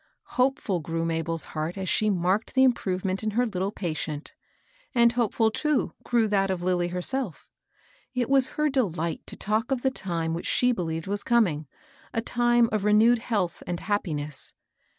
Hopefiil grew Mabel's heart as she marked the improvement in her little patient ; and hope MINNIE. 113 fill, too, grew that of Lilly hergelf. It was her delight to talk of the time which she believed was comihg, — a time of renewed health and happiness.